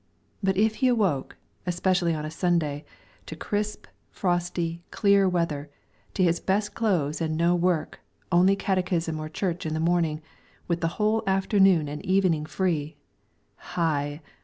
But if he awoke, especially on a Sunday, to crisp, frosty, clear weather, to his best clothes and no work, only catechism or church in the morning, with the whole afternoon and evening free heigh!